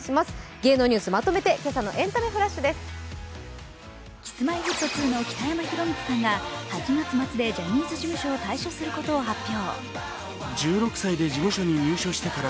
芸能ニュースまとめてＫｉｓ−Ｍｙ−Ｆｔ２の北山宏光さんが８月末でジャニーズ事務所を退所することを発表。